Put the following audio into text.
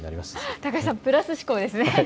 高井さん、プラス思考ですね。